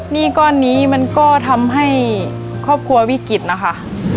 หนี้ก้อนนี้มันก็ทำให้ครอบครัววิกฤตนะคะ